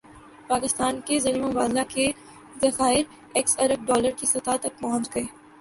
پاکستان کے زرمبادلہ کے ذخائر اکیس ارب ڈالر کی سطح تک پہنچ گئے